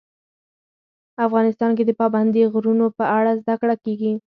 افغانستان کې د پابندي غرونو په اړه زده کړه کېږي.